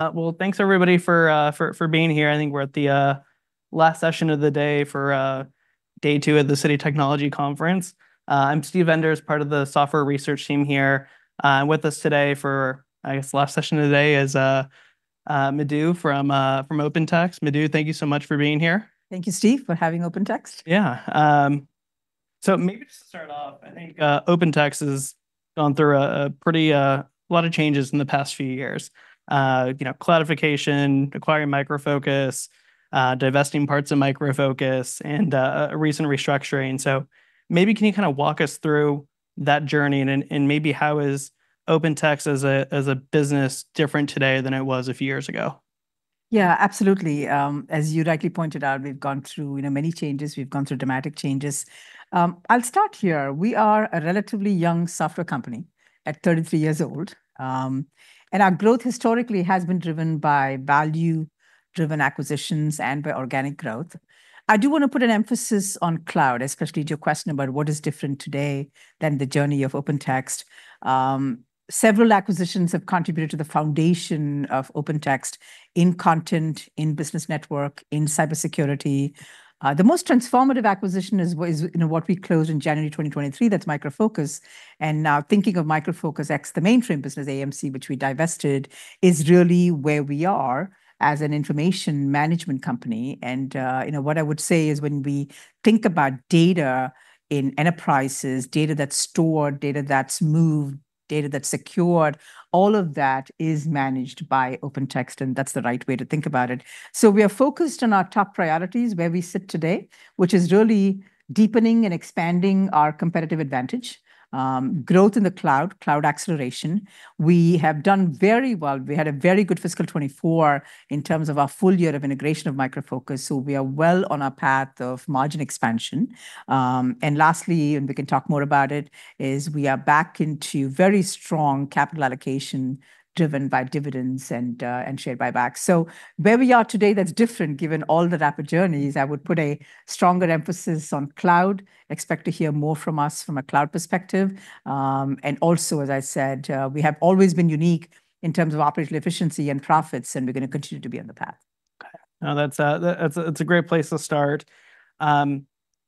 Well, thanks everybody for being here. I think we're at the last session of the day for day two of the Citi Technology Conference. I'm Steve Enders, part of the software research team here. With us today for, I guess, the last session of the day is Madhu from OpenText. Madhu, thank you so much for being here. Thank you, Steve, for having OpenText. Yeah. So maybe just to start off, I think, OpenText has gone through a pretty lot of changes in the past few years. You know, cloudification, acquiring Micro Focus, divesting parts of Micro Focus, and a recent restructuring. So maybe can you kind of walk us through that journey, and maybe how is OpenText as a business different today than it was a few years ago? Yeah, absolutely. As you rightly pointed out, we've gone through, you know, many changes. We've gone through dramatic changes. I'll start here. We are a relatively young software company at thirty three years old. And our growth historically has been driven by value-driven acquisitions and by organic growth. I do want to put an emphasis on cloud, especially to your question about what is different today than the journey of OpenText. Several acquisitions have contributed to the foundation of OpenText in content, in Business Network, in cybersecurity. The most transformative acquisition is, you know, what we closed in January 2023, that's Micro Focus. And now thinking of Micro Focus as the mainframe business, AMC, which we divested, is really where we are as an information management company. You know, what I would say is, when we think about data in enterprises, data that's stored, data that's moved, data that's secured, all of that is managed by OpenText, and that's the right way to think about it. So we are focused on our top priorities, where we sit today, which is really deepening and expanding our competitive advantage, growth in the cloud, cloud acceleration. We have done very well. We had a very good fiscal 2024 in terms of our full year of integration of Micro Focus, so we are well on our path of margin expansion. And lastly, and we can talk more about it, is we are back into very strong capital allocation, driven by dividends and share buybacks. So where we are today, that's different, given all the rapid journeys, I would put a stronger emphasis on cloud. Expect to hear more from us from a cloud perspective, and also, as I said, we have always been unique in terms of operational efficiency and profits, and we're gonna continue to be on the path. Okay. Now, that's a great place to start. I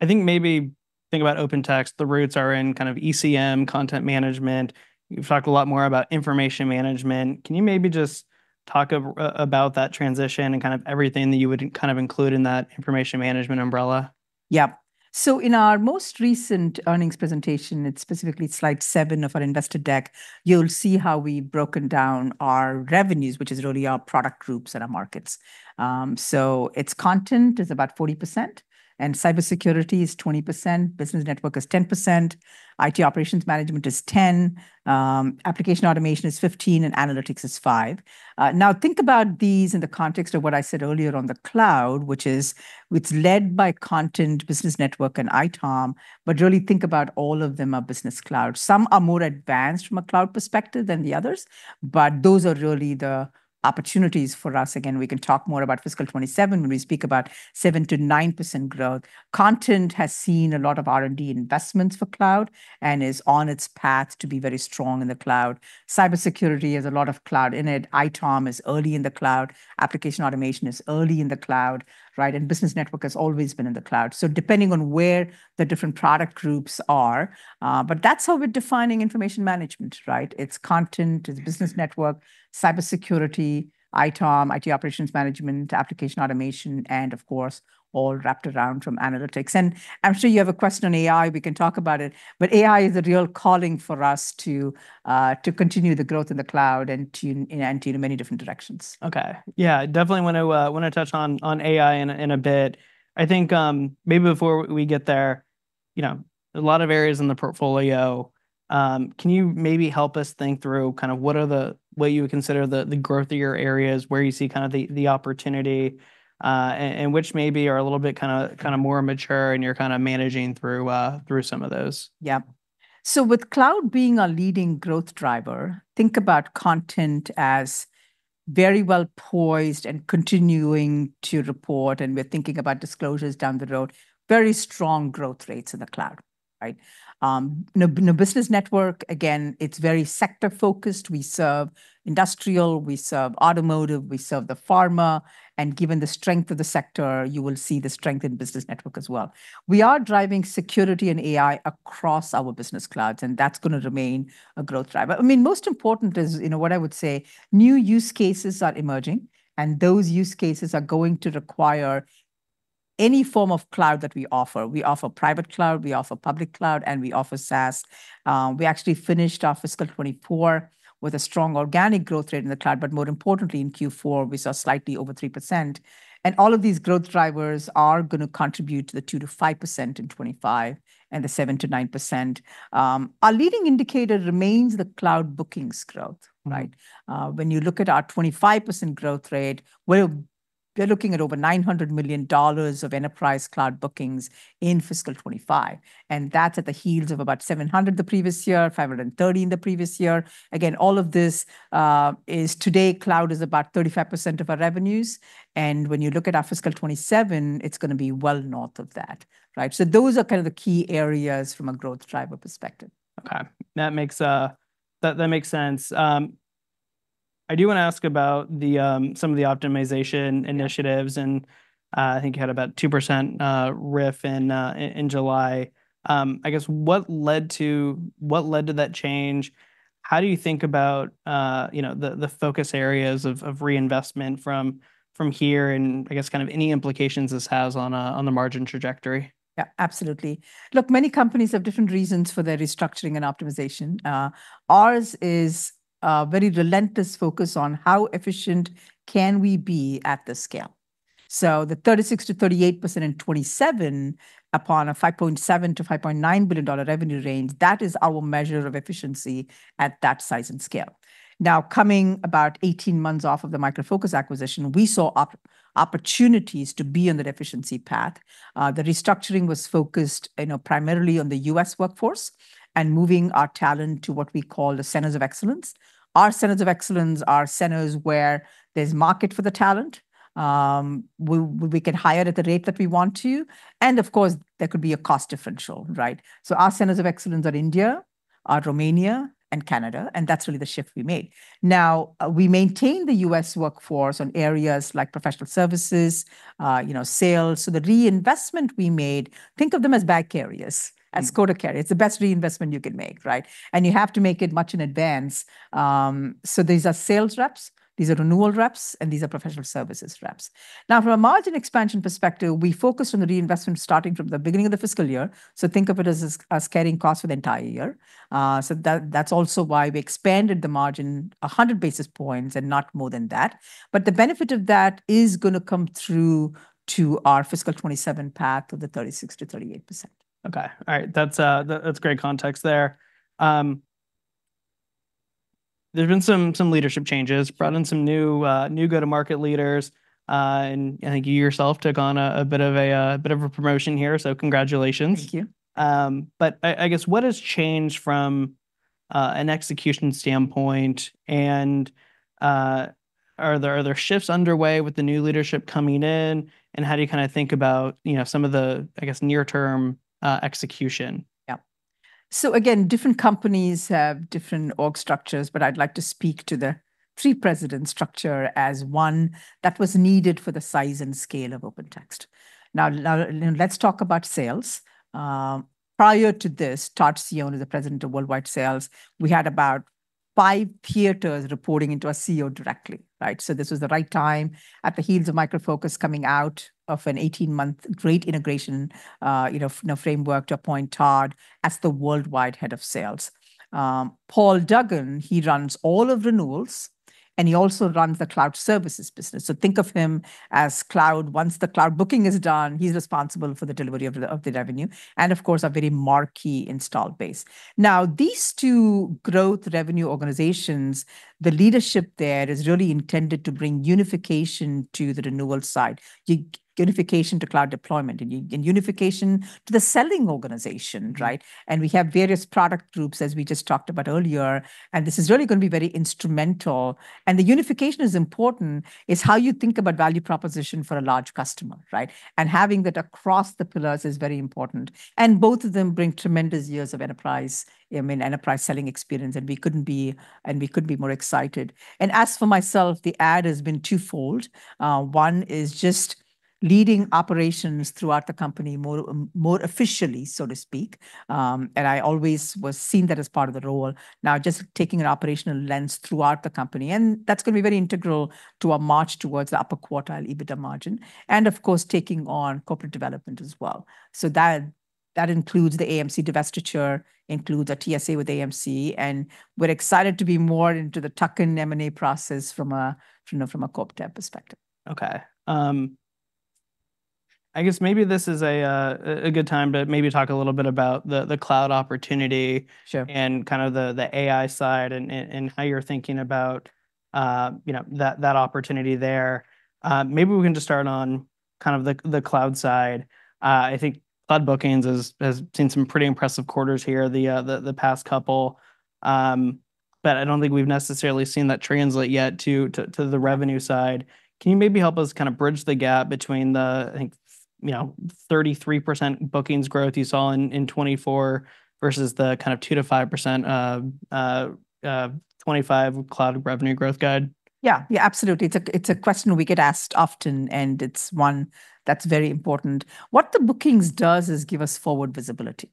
think maybe think about OpenText. The roots are in kind of ECM, content management. You've talked a lot more about information management. Can you maybe just talk about that transition and kind of everything that you would kind of include in that information management umbrella? Yeah. So in our most recent earnings presentation, it's specifically slide 7 of our investor deck, you'll see how we've broken down our revenues, which is really our product groups and our markets. So it's content, is about 40%, and cybersecurity is 20%, Business Network is 10%, IT Operations Management is 10%, Application Automation is 15%, and analytics is 5%. Now, think about these in the context of what I said earlier on the cloud, which is, it's led by content, Business Network, and ITOM, but really think about all of them are business cloud. Some are more advanced from a cloud perspective than the others, but those are really the opportunities for us. Again, we can talk more about fiscal 2027 when we speak about 7%-9% growth. Content has seen a lot of R&D investments for cloud and is on its path to be very strong in the cloud. Cybersecurity has a lot of cloud in it. ITOM is early in the cloud. Application automation is early in the cloud, right?, and Business Network has always been in the cloud, so depending on where the different product groups are, but that's how we're defining information management, right? It's content, it's Business Network, cybersecurity, ITOM, IT Operations Management, Application Automation, and of course, all wrapped around from analytics, and I'm sure you have a question on AI, we can talk about it, but AI is a real calling for us to, to continue the growth in the cloud and to, and to many different directions. Okay. Yeah, definitely want to touch on AI in a bit. I think, maybe before we get there, you know, a lot of areas in the portfolio, can you maybe help us think through kind of what you would consider the growth of your areas, where you see kind of the opportunity, and which maybe are a little bit kind of more mature, and you're kind of managing through some of those? Yeah. So with cloud being our leading growth driver, think about content as very well poised and continuing to report, and we're thinking about disclosures down the road. Very strong growth rates in the cloud, right? Now Business Network, again, it's very sector-focused. We serve industrial, we serve automotive, we serve the pharma, and given the strength of the sector, you will see the strength in Business Network as well. We are driving security and AI across our business clouds, and that's gonna remain a growth driver. I mean, most important is, you know, what I would say, new use cases are emerging, and those use cases are going to require any form of cloud that we offer. We offer private cloud, we offer public cloud, and we offer SaaS. We actually finished our fiscal 2024 with a strong organic growth rate in the cloud, but more importantly, in Q4, we saw slightly over 3%. All of these growth drivers are gonna contribute to the 2%-5% in 2025 and the 7%-9%. Our leading indicator remains the cloud bookings growth, right? When you look at our 25% growth rate, we're looking at over $900 million of enterprise cloud bookings in fiscal 2025, and that's at the heels of about $700 million the previous year, $530 million in the previous year. Again, all of this is. Today, cloud is about 35% of our revenues, and when you look at our fiscal 2027, it's gonna be well north of that, right? So those are kind of the key areas from a growth driver perspective. Okay, that makes sense. I do wanna ask about some of the optimization initiatives. I think you had about 2% RIF in July. I guess, what led to that change? How do you think about, you know, the focus areas of reinvestment from here, and I guess kind of any implications this has on the margin trajectory? Yeah, absolutely. Look, many companies have different reasons for their restructuring and optimization. Ours is a very relentless focus on how efficient can we be at this scale. So the 36%-38% in 2027, upon a $5.7-$5.9 billion revenue range, that is our measure of efficiency at that size and scale. Now, coming about eighteen months off of the Micro Focus acquisition, we saw opportunities to be on that efficiency path. The restructuring was focused, you know, primarily on the U.S. workforce, and moving our talent to what we call the Centers of Excellence. Our Centers of Excellence are centers where there's market for the talent, we can hire at the rate that we want to, and of course, there could be a cost differential, right? Our Centers of Excellence are India, Romania, and Canada, and that's really the shift we made. Now, we maintain the U.S. workforce on areas like professional services, you know, sales. The reinvestment we made, think of them as bag carriers... as quota carriers. It's the best reinvestment you can make, right? And you have to make it much in advance. So these are sales reps, these are renewal reps, and these are professional services reps. Now, from a margin expansion perspective, we focused on the reinvestment starting from the beginning of the fiscal year, so think of it as carrying costs for the entire year. So that, that's also why we expanded the margin a 100 basis points and not more than that. But the benefit of that is gonna come through to our fiscal 2027 path of the 36%-38%. Okay. All right, that's great context there. There've been some leadership changes. Brought in some new go-to-market leaders, and I think you yourself took on a bit of a promotion here, so congratulations. Thank you. I guess what has changed from an execution standpoint, and are there shifts underway with the new leadership coming in? How do you kinda think about, you know, some of the, I guess, near-term execution? Yeah. So again, different companies have different org structures, but I'd like to speak to the three-president structure as one that was needed for the size and scale of OpenText. Now, let's talk about sales. Prior to this, Todd Cione as the president of Worldwide Sales, we had about five theaters reporting into a CEO directly, right? So this was the right time, at the heels of Micro Focus coming out of an eighteen-month great integration, you know, framework to appoint Todd as the worldwide head of sales. Paul Duggan, he runs all of Renewals, and he also runs the Cloud Services business. So think of him as cloud... Once the cloud booking is done, he's responsible for the delivery of the, of the revenue, and of course, a very marquee installed base. Now, these two growth revenue organizations, the leadership there is really intended to bring unification to the renewal side, unification to cloud deployment, and unification to the selling organization, right? And we have various product groups, as we just talked about earlier, and this is really gonna be very instrumental. And the unification is important, is how you think about value proposition for a large customer, right? And having that across the pillars is very important. And both of them bring tremendous years of enterprise, I mean, enterprise selling experience, and we couldn't be more excited. And as for myself, the add has been twofold. One is just leading operations throughout the company more officially, so to speak. And I always was seeing that as part of the role, now just taking an operational lens throughout the company, and that's gonna be very integral to our march towards the upper quartile EBITDA margin, and of course, taking on corporate development as well. So that includes the AMC divestiture, includes a TSA with AMC, and we're excited to be more into the tuck-in M&A process, you know, from a corp dev perspective. Okay. I guess maybe this is a good time to maybe talk a little bit about the cloud opportunity Sure... and kind of the AI side, and how you're thinking about, you know, that opportunity there. Maybe we can just start on kind of the cloud side. I think cloud bookings has seen some pretty impressive quarters here, the past couple. But I don't think we've necessarily seen that translate yet to the revenue side. Can you maybe help us kind of bridge the gap between the, I think, you know, 33% bookings growth you saw in 2024, versus the kind of 2%-5% 2025 cloud revenue growth guide? Yeah. Yeah, absolutely. It's a, it's a question we get asked often, and it's one that's very important. What the bookings does is give us forward visibility.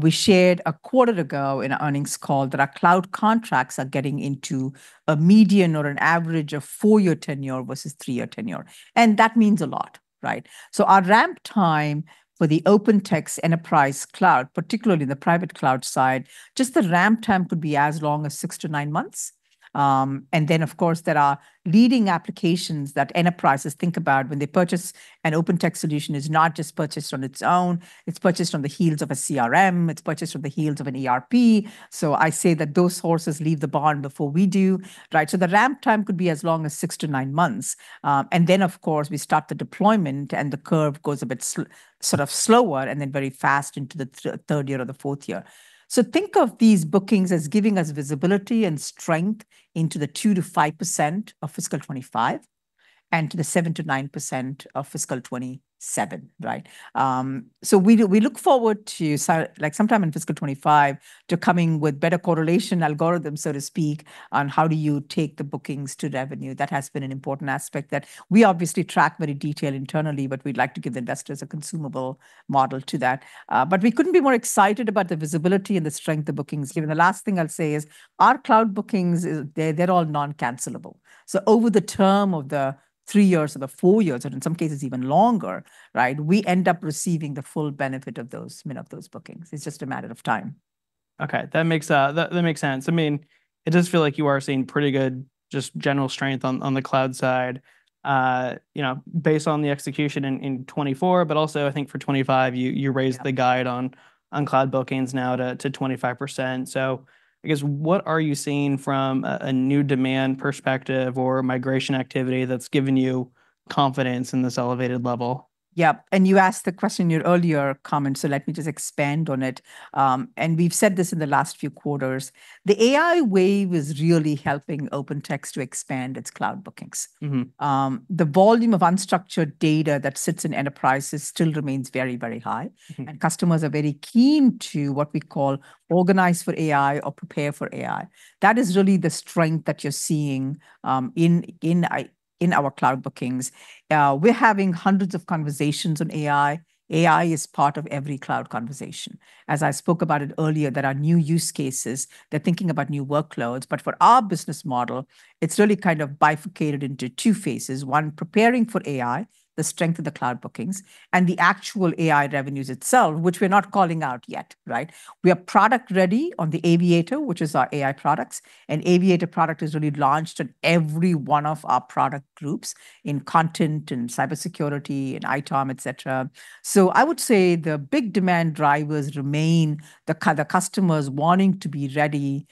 We shared a quarter ago in an earnings call that our cloud contracts are getting into a median or an average of four-year tenure versus three-year tenure, and that means a lot, right? So our ramp time for the OpenText Enterprise Cloud, particularly the private cloud side, just the ramp time could be as long as 6-9 months, and then, of course, there are leading applications that enterprises think about when they purchase an OpenText solution. It's not just purchased on its own, it's purchased on the heels of a CRM, it's purchased on the heels of an ERP, so I say that those horses leave the barn before we do, right? So the ramp time could be as long as 6-9 months, and then, of course, we start the deployment, and the curve goes a bit sort of slower, and then very fast into the third year or the fourth year. So think of these bookings as giving us visibility and strength into the 2%-5% of fiscal 2025... and to the 7%-9% of fiscal 2027, right? So we look forward to, like, sometime in fiscal 2025, to coming with better correlation algorithms, so to speak, on how do you take the bookings to revenue. That has been an important aspect that we obviously track very detailed internally, but we'd like to give the investors a consumable model to that, but we couldn't be more excited about the visibility and the strength of bookings given. The last thing I'll say is our cloud bookings is they're all non-cancelable. So over the term of the three years or the four years, or in some cases even longer, right, we end up receiving the full benefit of those, meaning of those bookings. It's just a matter of time. Okay, that makes sense. I mean, it does feel like you are seeing pretty good just general strength on the cloud side. You know, based on the execution in 2024, but also I think for 2025, you raised the guide on cloud bookings now to 25%. So I guess, what are you seeing from a new demand perspective or migration activity that's giving you confidence in this elevated level? Yeah, and you asked the question in your earlier comments, so let me just expand on it, and we've said this in the last few quarters. The AI wave is really helping OpenText to expand its cloud bookings. Mm-hmm. The volume of unstructured data that sits in enterprises still remains very, very high. Mm-hmm. Customers are very keen to what we call organize for AI or prepare for AI. That is really the strength that you're seeing in our cloud bookings. We're having hundreds of conversations on AI. AI is part of every cloud conversation. As I spoke about it earlier, there are new use cases. They're thinking about new workloads, but for our business model, it's really kind of bifurcated into two phases. One, preparing for AI, the strength of the cloud bookings, and the actual AI revenues itself, which we're not calling out yet, right? We are product ready on the Aviator, which is our AI products, and Aviator product is really launched on every one of our product groups, in content, in cybersecurity, in ITOM, et cetera. So I would say the big demand drivers remain the customers wanting to be ready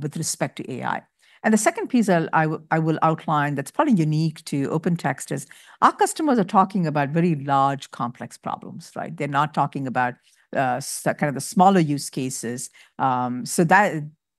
with respect to AI. And the second piece I will outline that's probably unique to OpenText is our customers are talking about very large, complex problems, right? They're not talking about kind of the smaller use cases. So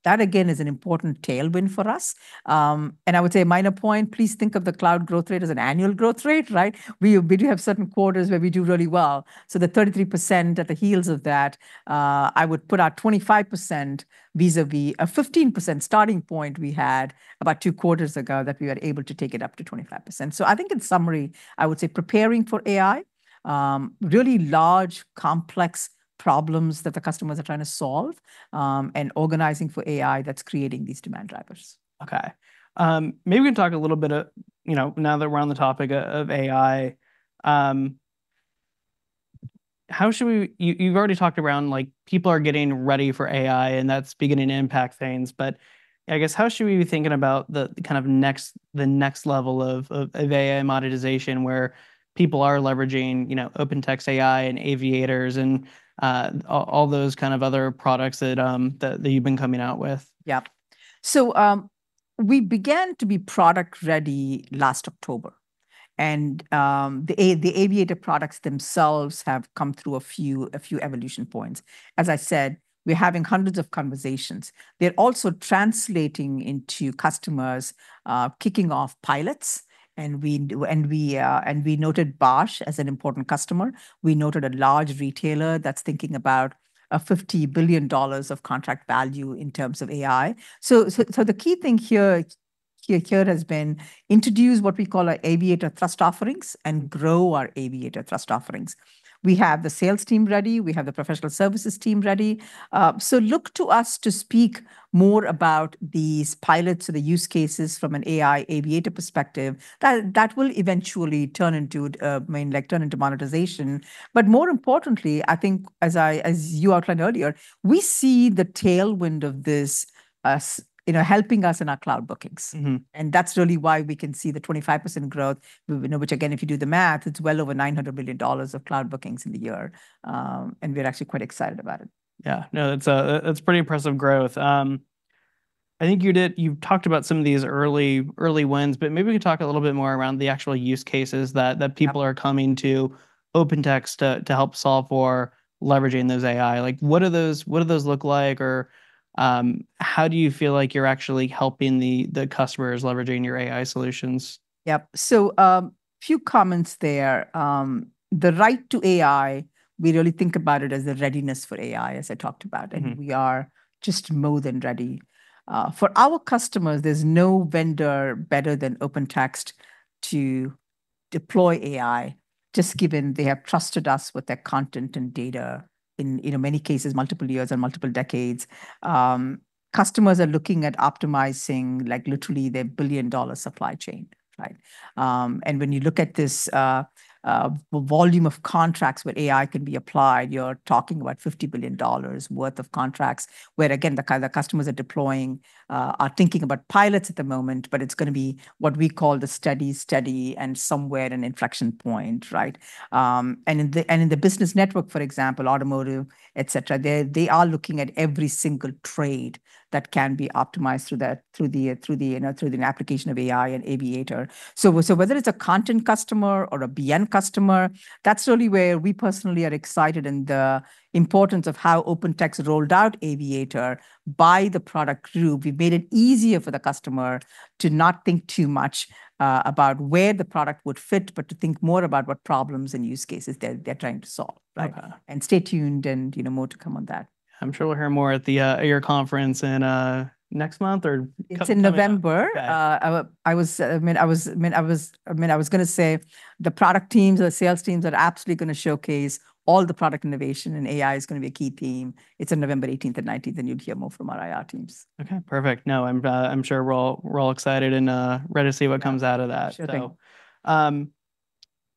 that again is an important tailwind for us. And I would say a minor point, please think of the cloud growth rate as an annual growth rate, right? We do have certain quarters where we do really well. So the 33% at the heels of that, I would put our 25% vis-à-vis a 15% starting point we had about two quarters ago, that we were able to take it up to 25%. So, I think in summary, I would say preparing for AI, really large, complex problems that the customers are trying to solve, and organizing for AI that's creating these demand drivers. Okay. Maybe we can talk a little bit, you know, now that we're on the topic of AI, how should we... You've already talked around, like, people are getting ready for AI, and that's beginning to impact things. But I guess, how should we be thinking about the kind of next level of AI monetization, where people are leveraging, you know, OpenText AI and Aviator and all those kind of other products that you've been coming out with? Yeah. So, we began to be product ready last October, and the Aviator products themselves have come through a few evolution points. As I said, we're having hundreds of conversations. They're also translating into customers kicking off pilots, and we noted Bosch as an important customer. We noted a large retailer that's thinking about $50 billion of contract value in terms of AI. So the key thing here has been introduce what we call our Aviator Thrust offerings and grow our Aviator Thrust offerings. We have the sales team ready. We have the professional services team ready. So look to us to speak more about these pilots or the use cases from an AI Aviator perspective, that will eventually turn into, I mean, like, turn into monetization. But more importantly, I think as you outlined earlier, we see the tailwind of this as, you know, helping us in our cloud bookings. Mm-hmm. And that's really why we can see the 25% growth, you know, which again, if you do the math, it's well over $900 billion of cloud bookings in the year. And we're actually quite excited about it. Yeah. No, that's pretty impressive growth. I think you've talked about some of these early wins, but maybe we can talk a little bit more around the actual use cases that- Yeah... that people are coming to OpenText to help solve for leveraging those AI. Like, what are those, what do those look like, or, how do you feel like you're actually helping the customers leveraging your AI solutions? Yeah. So, a few comments there. The right to AI, we really think about it as the readiness for AI, as I talked about. And we are just more than ready. For our customers, there's no vendor better than OpenText to deploy AI, just given they have trusted us with their content and data in, you know, many cases, multiple years and multiple decades. Customers are looking at optimizing, like, literally their billion-dollar supply chain, right? And when you look at this volume of contracts where AI can be applied, you're talking about $50 billion worth of contracts, where again, the customers are thinking about pilots at the moment, but it's gonna be what we call the steady, and somewhere an inflection point, right? And in the Business Network, for example, automotive, et cetera, they are looking at every single trade that can be optimized through the, you know, application of AI and Aviator. So whether it's a content customer or a BN customer, that's really where we personally are excited, and the importance of how OpenText rolled out Aviator by the product group, we made it easier for the customer to not think too much about where the product would fit, but to think more about what problems and use cases they're trying to solve. Okay. Stay tuned, and you know, more to come on that. I'm sure we'll hear more at your conference in next month, or coming? It's in November. Okay. I mean, I was gonna say the product teams or the sales teams are absolutely gonna showcase all the product innovation, and AI is gonna be a key theme. It's on November eighteenth and nineteenth, and you'll hear more from our IR teams. Okay, perfect. No, I'm, I'm sure we're all, we're all excited and, ready to see what comes out of that. Sure thing.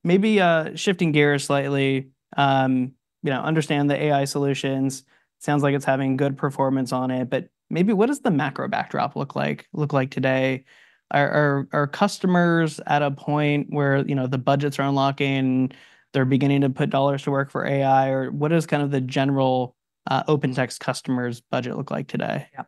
Maybe, shifting gears slightly, you know, understand the AI solutions. Sounds like it's having good performance on it, but maybe what does the macro backdrop look like today? Are customers at a point where, you know, the budgets are unlocking, they're beginning to put dollars to work for AI? Or what is kind of the general OpenText customer's budget look like today? Yeah.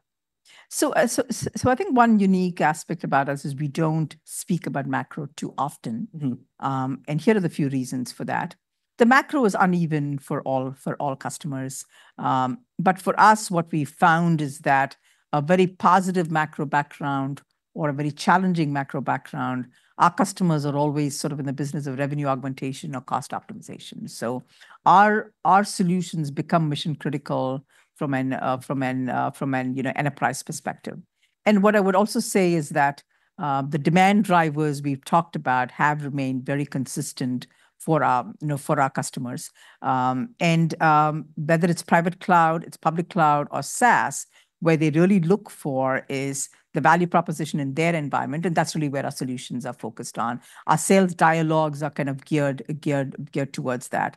I think one unique aspect about us is we don't speak about macro too often. Mm-hmm. And here are the few reasons for that. The macro is uneven for all customers. But for us, what we found is that a very positive macro background or a very challenging macro background, our customers are always sort of in the business of revenue augmentation or cost optimization. So our solutions become mission-critical from an, you know, enterprise perspective. And what I would also say is that the demand drivers we've talked about have remained very consistent for our, you know, for our customers. And whether it's private cloud, public cloud or SaaS, where they really look for is the value proposition in their environment, and that's really where our solutions are focused on. Our sales dialogues are kind of geared towards that.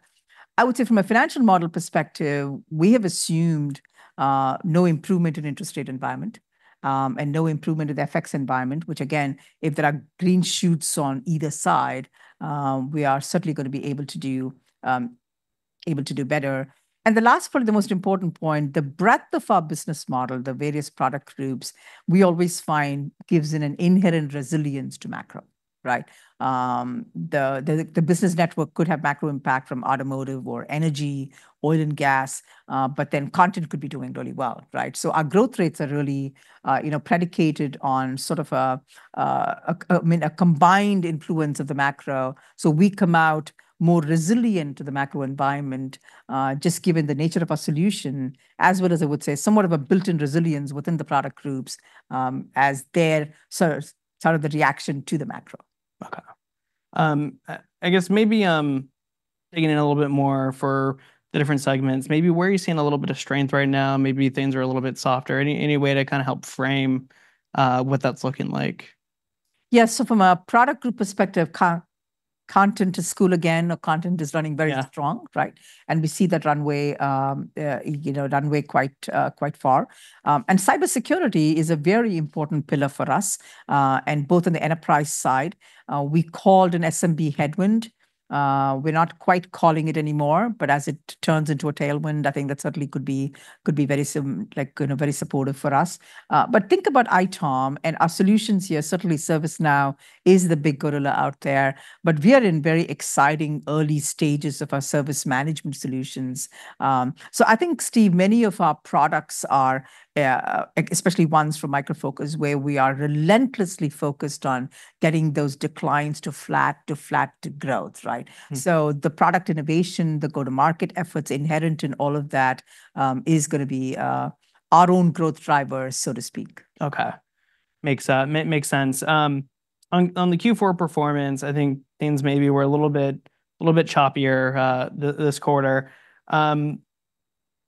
I would say from a financial model perspective, we have assumed no improvement in interest rate environment, and no improvement in the FX environment, which again, if there are green shoots on either side, we are certainly going to be able to do better, and the last point, the most important point, the breadth of our business model, the various product groups, we always find gives it an inherent resilience to macro, right? The Business Network could have macro impact from automotive or energy, oil and gas, but then content could be doing really well, right? so our growth rates are really, you know, predicated on sort of a, I mean, a combined influence of the macro. We come out more resilient to the macro environment, just given the nature of our solution, as well as I would say, somewhat of a built-in resilience within the product groups, as there sort of the reaction to the macro. Okay. I guess maybe digging in a little bit more for the different segments, maybe where are you seeing a little bit of strength right now? Maybe things are a little bit softer. Any way to kind of help frame what that's looking like? Yeah. So from a product group perspective, content to cloud again, or content is running very strong- And we see that runway, you know, quite far. And cybersecurity is a very important pillar for us, and both on the enterprise side. We called an SMB headwind. We're not quite calling it anymore, but as it turns into a tailwind, I think that certainly could be similar, like, you know, very supportive for us. But think about ITOM and our solutions here. Certainly, ServiceNow is the big gorilla out there, but we are in very exciting early stages of our service management solutions. So I think, Steve, many of our products are, especially ones from Micro Focus, where we are relentlessly focused on getting those declines to flat to growth, right? Mm. So the product innovation, the go-to-market efforts inherent in all of that, is going to be our own growth driver, so to speak. Okay. Makes sense. On the Q4 performance, I think things maybe were a little bit choppier this quarter. You know,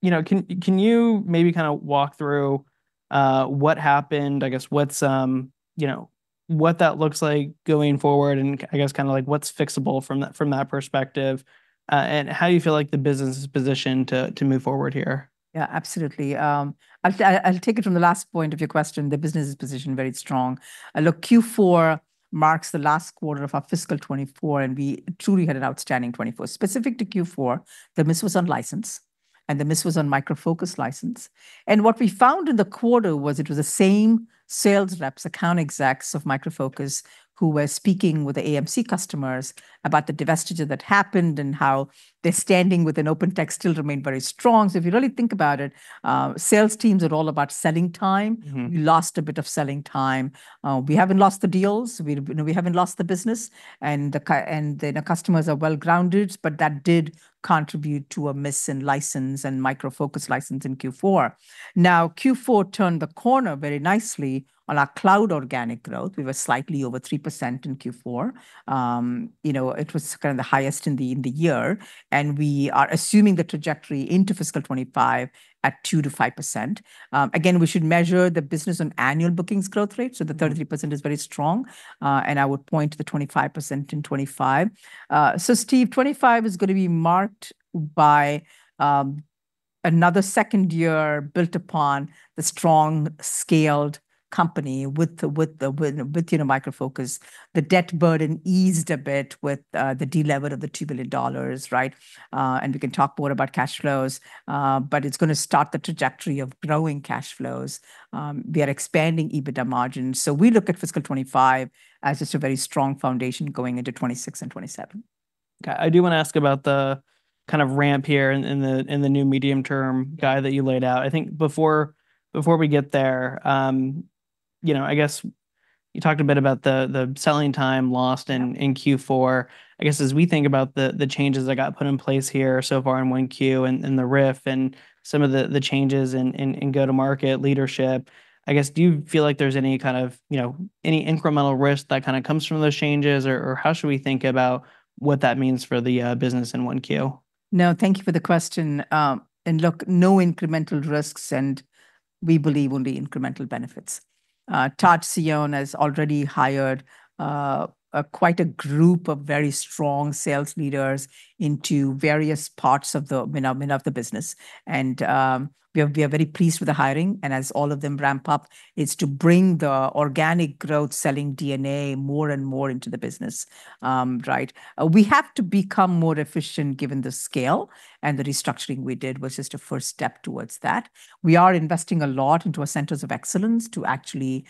can you maybe kind of walk through what happened? I guess what's you know, what that looks like going forward, and I guess kind of like what's fixable from that perspective, and how do you feel like the business is positioned to move forward here? Yeah, absolutely. I'll take it from the last point of your question. The business is positioned very strong. Look, Q4 marks the last quarter of our fiscal 2024, and we truly had an outstanding 2024. Specific to Q4, the miss was on license, and the miss was on Micro Focus license. And what we found in the quarter was it was the same sales reps, account execs of Micro Focus, who were speaking with the AMC customers about the divestiture that happened and how their standing within OpenText still remained very strong. So if you really think about it, sales teams are all about selling time. Mm-hmm. We lost a bit of selling time. We haven't lost the deals, you know, we haven't lost the business, and the customers are well-grounded, but that did contribute to a miss in license and Micro Focus license in Q4. Now, Q4 turned the corner very nicely on our cloud organic growth. We were slightly over 3% in Q4. You know, it was kind of the highest in the year, and we are assuming the trajectory into fiscal 2025 at 2%-5%. Again, we should measure the business on annual bookings growth rate, so the 33% is very strong, and I would point to the 25% in 2025. So Steve, 2025 is going to be marked by another second year built upon the strong, scaled company with the, you know, Micro Focus. The debt burden eased a bit with the delever of $2 billion, right? And we can talk more about cash flows. But it's going to start the trajectory of growing cash flows. We are expanding EBITDA margins. So we look at fiscal 2025 as just a very strong foundation going into 2026 and 2027. Okay, I do want to ask about the kind of ramp here in the new medium-term guide that you laid out. I think before we get there, you know, I guess you talked a bit about the selling time lost in Q4. I guess as we think about the changes that got put in place here so far in 1Q, and the RIF and some of the changes in go-to-market leadership, I guess, do you feel like there's any kind of, you know, any incremental risk that kind of comes from those changes? Or how should we think about what that means for the business in 1Q? No, thank you for the question. And look, no incremental risks, and we believe only incremental benefits. Todd Cione has already hired quite a group of very strong sales leaders into various parts of the, you know, of the business. And we are very pleased with the hiring, and as all of them ramp up, it's to bring the organic growth selling DNA more and more into the business. Right. We have to become more efficient, given the scale, and the restructuring we did was just a first step towards that. We are investing a lot into our Centers of Excellence to actually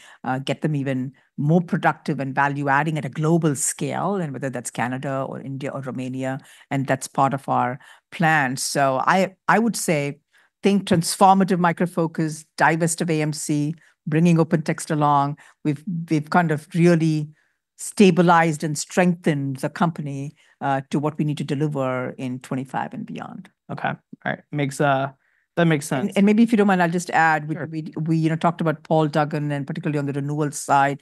get them even more productive and value-adding at a global scale, and whether that's Canada or India or Romania, and that's part of our plan. So I would say transformative Micro Focus, divest of AMC, bringing OpenText along. We've kind of really stabilized and strengthened the company to what we need to deliver in 2025 and beyond. Okay. All right, that makes sense. And maybe if you don't mind, I'll just add- Sure... we you know talked about Paul Duggan, and particularly on the renewal side.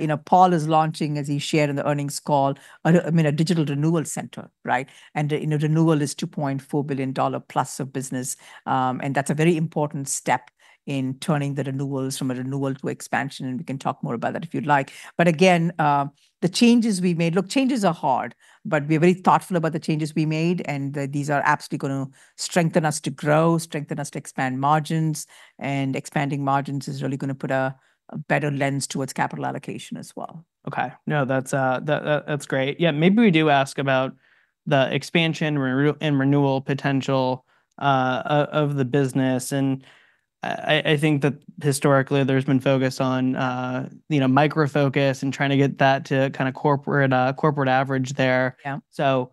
You know, Paul is launching, as he shared in the earnings call, I mean, a Digital Renewal Center, right? And you know renewal is $2.4 billion-plus of business. And that's a very important step in turning the renewals from a renewal to expansion, and we can talk more about that if you'd like. But again the changes we made. Look, changes are hard, but we're very thoughtful about the changes we made, and these are absolutely gonna strengthen us to grow, strengthen us to expand margins, and expanding margins is really gonna put a better lens towards capital allocation as well. Okay. No, that's great. Yeah, maybe we do ask about the expansion, renew, and renewal potential of the business. I think that historically there's been focus on, you know, Micro Focus and trying to get that to kind of corporate average there. Yeah. So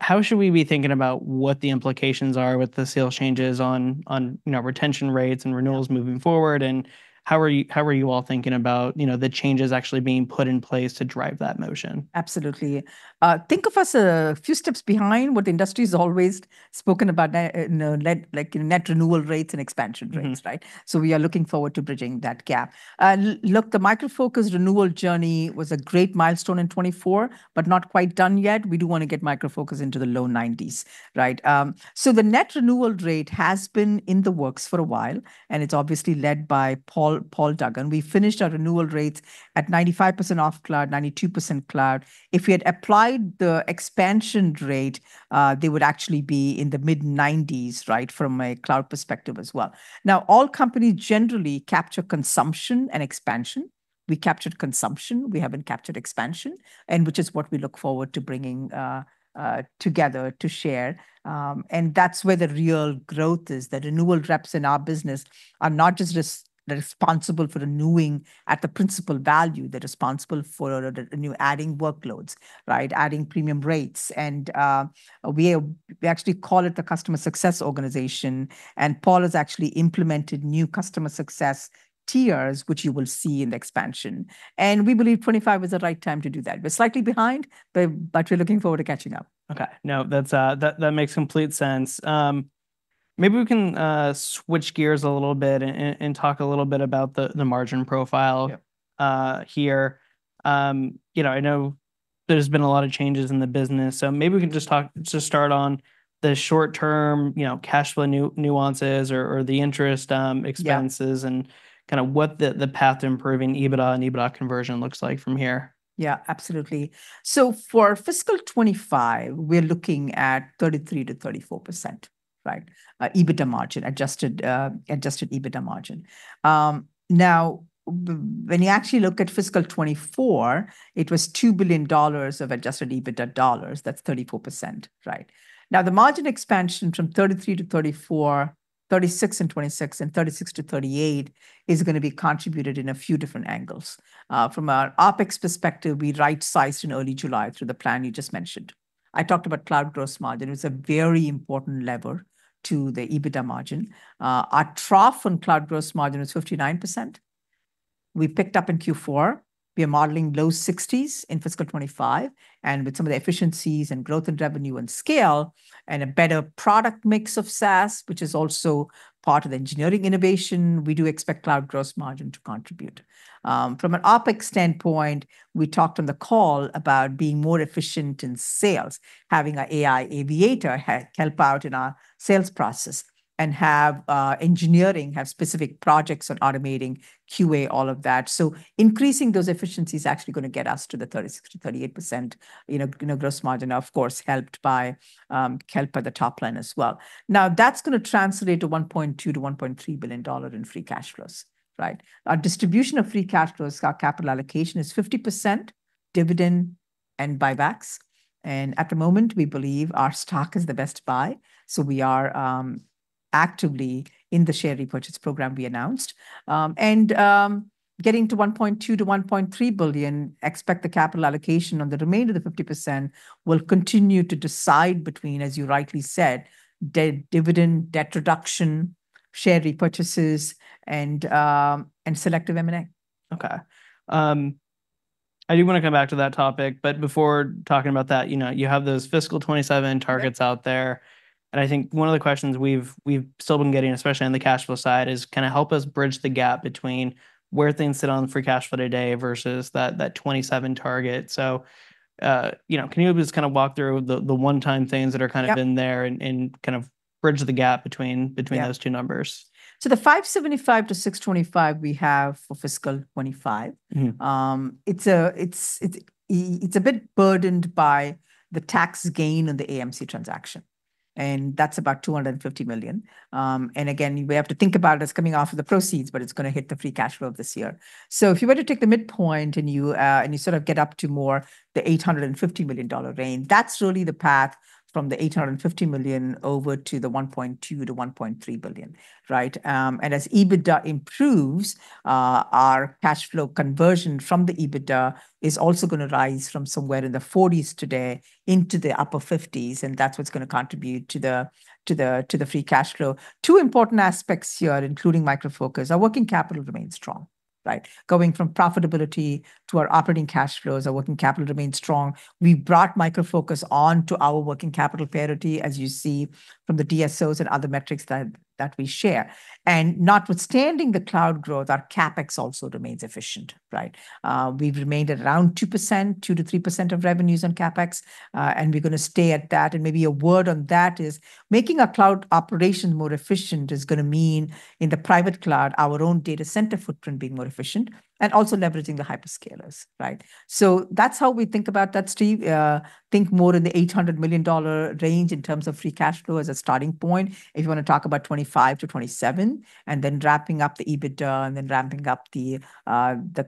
how should we be thinking about what the implications are with the sales changes on, you know, retention rates and renewals?... moving forward? And how are you all thinking about, you know, the changes actually being put in place to drive that motion? Absolutely. Think of us a few steps behind what the industry's always spoken about, you know, like, net renewal rates and expansion rates. Mm-hmm... right? So we are looking forward to bridging that gap. Look, the Micro Focus renewal journey was a great milestone in 2024, but not quite done yet. We do want to get Micro Focus into the low nineties, right? So the net renewal rate has been in the works for a while, and it's obviously led by, Paul Duggan. We finished our renewal rates at 95% off cloud, 92% cloud. If we had applied the expansion rate, they would actually be in the mid-nineties, right, from a cloud perspective as well. Now, all companies generally capture consumption and expansion. We captured consumption, we haven't captured expansion, and which is what we look forward to bringing together to share. And that's where the real growth is. The renewal reps in our business are not just responsible for renewing at the principal value. They're responsible for adding workloads, right, adding premium rates. And we actually call it the customer success organization, and Paul has actually implemented new customer success tiers, which you will see in the expansion. And we believe 2025 is the right time to do that. We're slightly behind, but we're looking forward to catching up. Okay. No, that's, that makes complete sense. Maybe we can switch gears a little bit and talk a little bit about the margin profile- Yep... here. You know, I know there's been a lot of changes in the business, so maybe we can just talk, just start on the short term, you know, cash flow nuances or the interest expenses- Yeah... and kind of what the path to improving EBITDA and EBITDA conversion looks like from here. Yeah, absolutely. So for fiscal 2025, we're looking at 33%-34%, right? EBITDA margin, adjusted EBITDA margin. Now, when you actually look at fiscal 2024, it was $2 billion of adjusted EBITDA dollars. That's 34%, right? Now, the margin expansion from 33%-34%, 36% and 26%, and 36%-38%, is gonna be contributed in a few different angles. From a OpEx perspective, we right-sized in early July through the plan you just mentioned. I talked about cloud gross margin. It's a very important lever to the EBITDA margin. Our trough on cloud gross margin is 59%. We picked up in Q4. We are modeling low sixties in fiscal 2025, and with some of the efficiencies and growth in revenue and scale, and a better product mix of SaaS, which is also part of the engineering innovation, we do expect cloud gross margin to contribute. From an OpEx standpoint, we talked on the call about being more efficient in sales, having our AI Aviator help out in our sales process, and have engineering have specific projects on automating QA, all of that. So increasing those efficiencies is actually gonna get us to the 36%-38%, you know, gross margin, of course, helped by the top line as well. Now, that's gonna translate to $1.2-$1.3 billion in free cash flows, right? Our distribution of free cash flows, our capital allocation is 50% dividend and buybacks, and at the moment, we believe our stock is the best buy, so we are actively in the share repurchase program we announced, and getting to $1.2-1.3 billion, expect the capital allocation on the remainder of the 50% will continue to decide between, as you rightly said, the dividend, debt reduction, share repurchases, and selective M&A. Okay. I do want to come back to that topic, but before talking about that, you know, you have those fiscal 2027 targets out there.... and I think one of the questions we've still been getting, especially on the cash flow side, is kind of help us bridge the gap between where things sit on the free cash flow today versus that 2027 target. So, you know, can you just kind of walk through the one-time things that are kind of- Yeah... in there and kind of bridge the gap between- Yeah... between those two numbers? The $575-$625 we have for fiscal 2025. Mm-hmm. It's a bit burdened by the tax gain on the AMC transaction, and that's about $250 million. And again, we have to think about it as coming off of the proceeds, but it's gonna hit the free cash flow this year. So if you were to take the midpoint, and you sort of get up to more the $850 million range, that's really the path from the $850 million over to the $1.2-$1.3 billion, right? And as EBITDA improves, our cash flow conversion from the EBITDA is also gonna rise from somewhere in the 40s today into the upper 50s, and that's what's gonna contribute to the free cash flow. Two important aspects here, including Micro Focus. Our working capital remains strong, right? Going from profitability to our operating cash flows, our working capital remains strong. We brought Micro Focus on to our working capital parity, as you see from the DSOs and other metrics that we share. And notwithstanding the cloud growth, our CapEx also remains efficient, right? We've remained at around 2%, 2%-3% of revenues on CapEx, and we're gonna stay at that. And maybe a word on that is making our cloud operation more efficient is gonna mean, in the private cloud, our own data center footprint being more efficient and also leveraging the hyperscalers, right? So that's how we think about that, Steve. Think more in the $800 million range in terms of free cash flow as a starting point, if you want to talk about 25-27, and then ramping up the EBITDA, and then ramping up the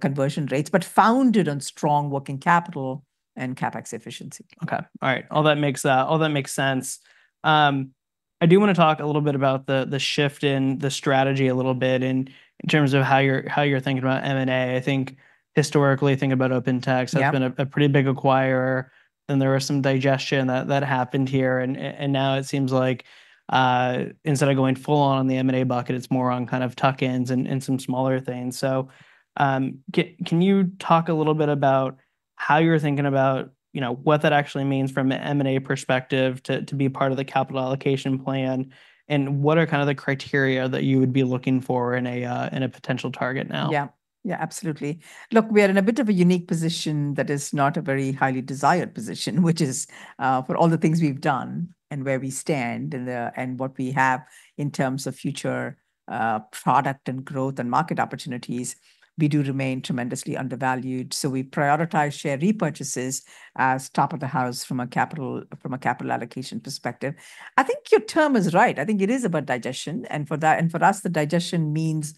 conversion rates, but founded on strong working capital and CapEx efficiency. Okay, all right. All that makes sense. I do want to talk a little bit about the shift in the strategy a little bit in terms of how you're thinking about M&A. I think historically, think about OpenText Yeah... has been a pretty big acquirer, then there was some digestion that happened here. And now it seems like, instead of going full-on in the M&A bucket, it's more on kind of tuck-ins and some smaller things. So, can you talk a little bit about how you're thinking about, you know, what that actually means from an M&A perspective to be part of the capital allocation plan? And what are kind of the criteria that you would be looking for in a potential target now? Yeah, yeah, absolutely. Look, we are in a bit of a unique position that is not a very highly desired position, which is, for all the things we've done and where we stand and, and what we have in terms of future, product and growth and market opportunities, we do remain tremendously undervalued. So we prioritize share repurchases as top of the house from a capital, from a capital allocation perspective. I think your term is right. I think it is about digestion, and for that and for us, the digestion means,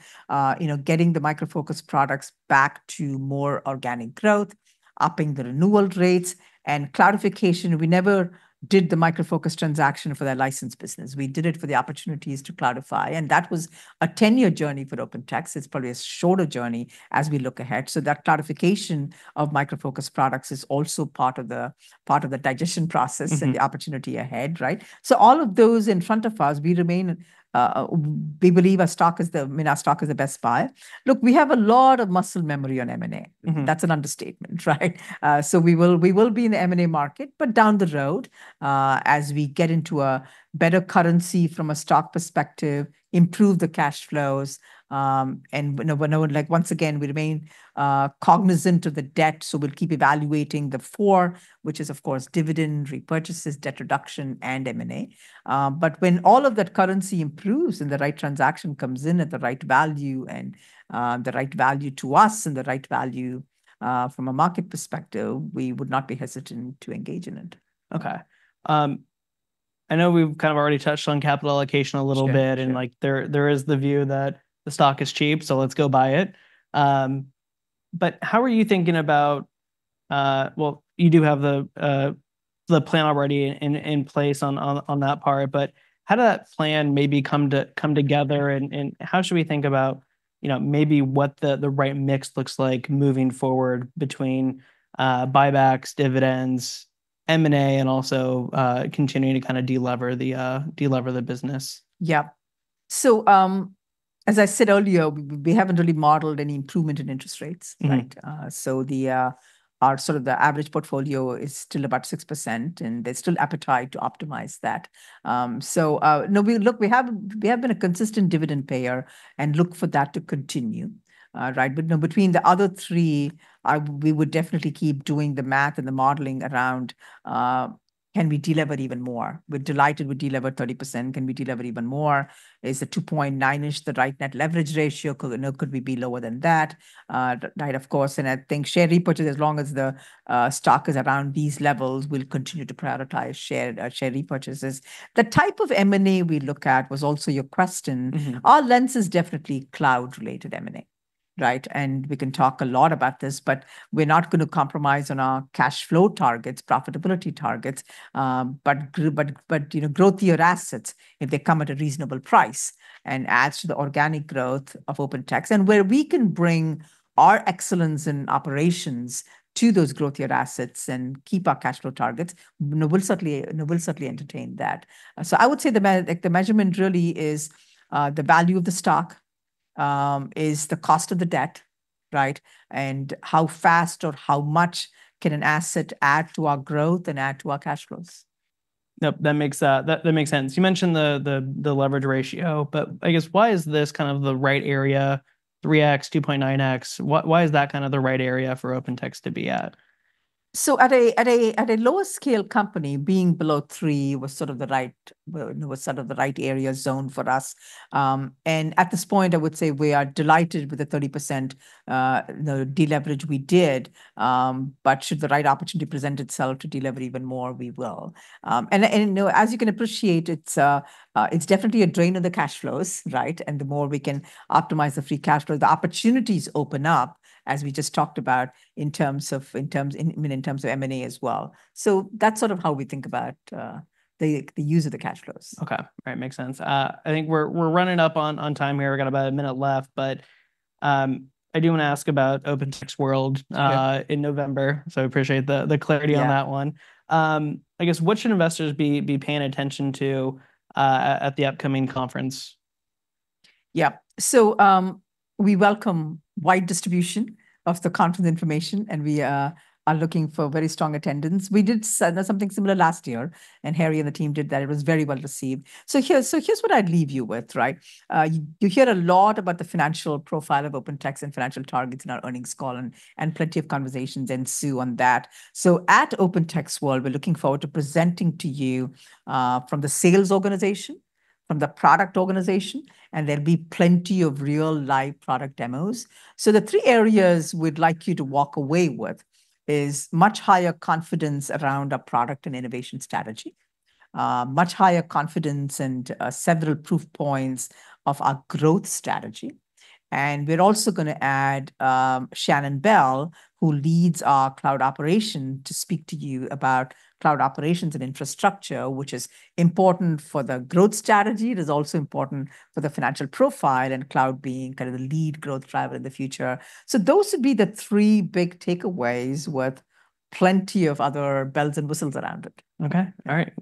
you know, getting the Micro Focus products back to more organic growth, upping the renewal rates, and cloudification. We never did the Micro Focus transaction for their license business. We did it for the opportunities to cloudify, and that was a ten-year journey for OpenText. It's probably a shorter journey as we look ahead. So that cloudification of Micro Focus products is also part of the digestion process- Mm-hmm... and the opportunity ahead, right? So all of those in front of us, we remain, we believe our stock is the, I mean, our stock is the best buy. Look, we have a lot of muscle memory on M&A. Mm-hmm. That's an understatement, right? So we will, we will be in the M&A market, but down the road, as we get into a better currency from a stock perspective, improve the cash flows, and, you know, when—like, once again, we remain cognizant of the debt, so we'll keep evaluating the four, which is, of course, dividend, repurchases, debt reduction, and M&A. But when all of that currency improves, and the right transaction comes in at the right value, and the right value to us, and the right value from a market perspective, we would not be hesitant to engage in it. Okay, I know we've kind of already touched on capital allocation a little bit- Sure, sure... and, like, there is the view that the stock is cheap, so let's go buy it. But how are you thinking about... Well, you do have the plan already in place on that part, but how did that plan maybe come together, and how should we think about, you know, maybe what the right mix looks like moving forward between buybacks, dividends, M&A, and also continuing to kind of de-lever the business? Yeah. So, as I said earlier, we haven't really modeled any improvement in interest rates- Mm-hmm... right? So the average portfolio is still about 6%, and there's still appetite to optimize that. So, no, look, we have been a consistent dividend payer and look for that to continue, right? But, you know, between the other three, we would definitely keep doing the math and the modeling around, can we de-lever even more? We're delighted we de-levered 30%. Can we de-lever even more? Is the 2.9-ish the right net leverage ratio, or, you know, could we be lower than that? Right, of course, and I think share repurchase, as long as the stock is around these levels, we'll continue to prioritize share repurchases. The type of M&A we look at was also your question. Mm-hmm. Our lens is definitely cloud-related M&A, right? And we can talk a lot about this, but we're not gonna compromise on our cash flow targets, profitability targets. But you know, growthier assets, if they come at a reasonable price and adds to the organic growth of OpenText, and where we can bring our excellence in operations to those growthier assets and keep our cash flow targets, we'll certainly entertain that. So I would say the measurement really is the value of the stock is the cost of the debt, right? And how fast or how much can an asset add to our growth and add to our cash flows? Yep, that makes sense. You mentioned the leverage ratio, but I guess why is this kind of the right area, 3x, 2.9x? Why is that kind of the right area for OpenText to be at? So at a lower scale company, being below three was sort of the right, well, it was sort of the right area zone for us. And at this point, I would say we are delighted with the 30%, the deleverage we did. But should the right opportunity present itself to delever even more, we will. And, you know, as you can appreciate, it's definitely a drain on the cash flows, right? And the more we can optimize the free cash flow, the opportunities open up, as we just talked about, in terms of... I mean, in terms of M&A as well. So that's sort of how we think about the use of the cash flows. Okay. All right, makes sense. I think we're running up on time here. We've got about a minute left, but I do want to ask about OpenText World- Yeah... in November, so I appreciate the clarity on that one. Yeah. I guess, what should investors be paying attention to, at the upcoming conference? Yeah. So, we welcome wide distribution of the conference information, and we are looking for very strong attendance. We did something similar last year, and Harry and the team did that. It was very well received. So here's what I'd leave you with, right? You hear a lot about the financial profile of OpenText and financial targets in our earnings call, and plenty of conversations ensue on that. So at OpenText World, we're looking forward to presenting to you from the sales organization, from the product organization, and there'll be plenty of real live product demos. So the three areas we'd like you to walk away with is much higher confidence around our product and innovation strategy, much higher confidence and several proof points of our growth strategy. We're also gonna add Shannon Bell, who leads our cloud operation, to speak to you about cloud operations and infrastructure, which is important for the growth strategy. It is also important for the financial profile, and cloud being kind of the lead growth driver in the future. Those would be the three big takeaways, with plenty of other bells and whistles around it. Okay. All right.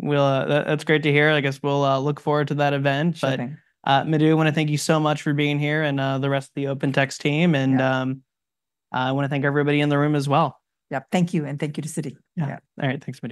That's great to hear. I guess we'll look forward to that event. Exciting. Madhu, I wanna thank you so much for being here, and the rest of the OpenText team. Yeah. And, I wanna thank everybody in the room as well. Yeah. Thank you, and thank you to Citi. Yeah. Yeah. All right. Thanks, Madhu.